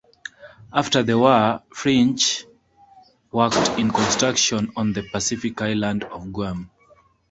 After the war, Finch worked in construction on the Pacific island of Guam.